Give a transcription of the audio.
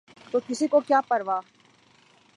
تو کسی کو کیا پروا؟